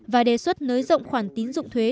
và đề xuất nới rộng khoản tín dụng thuế